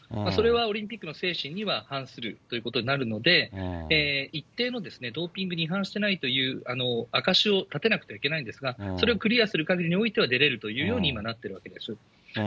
それはオリンピックの精神には反するということになるので、一定のドーピングに違反していないという証しを立てなくてはいけないんですが、それをクリアするかぎりにおいては、出れるというように今なってるわけです。